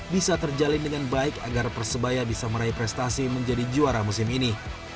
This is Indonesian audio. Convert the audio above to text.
bisa terjalin dengan baik agar persebaya bisa meraih prestasi menjadi juara musim ini